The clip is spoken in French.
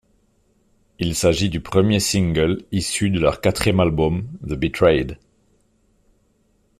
Il s'agit du premier single issu de leur quatrième album, The Betrayed.